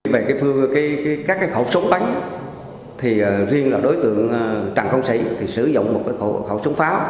về các khẩu súng bắn riêng là đối tượng trần công sĩ sử dụng một khẩu súng pháo